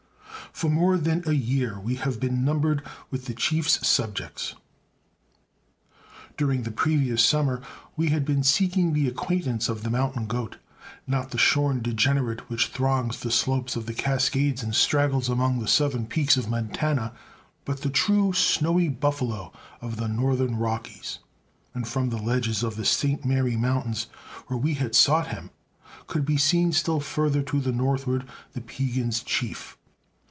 For more than a year we had been numbered with the Chief's subjects. During the previous summer we had been seeking the acquaintance of the mountain goat; not the shorn degenerate which throngs the slopes of the Cascades and straggles among the southern peaks of Montana, but the true snowy buffalo of the northern Rockies; and from the ledges of the St. Mary Mountains, where we had sought him, could be seen still further to the northward the Piegans' Chief.